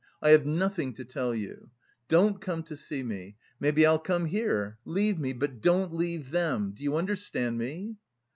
I have nothing to tell you. Don't come to see me. Maybe I'll come here.... Leave me, but don't leave them. Do you understand me?"